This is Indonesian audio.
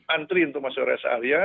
antri untuk masyarakat res area